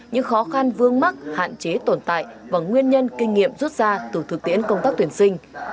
những khó khăn vương mắc hạn chế tồn tại và nguyên nhân kinh nghiệm rút ra từ thực tiễn công tác tuyển sinh